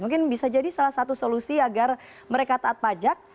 mungkin bisa jadi salah satu solusi agar mereka taat pajak